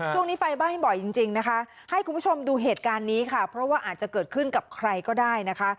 ช่วงนี้ไฟไหม้บ่อยจริงนะคะให้คุณผู้ชมดูเหตุการณ์นี้ค่ะเพราะว่าอาจจะเกิดขึ้นกับใครก็ได้นะคะ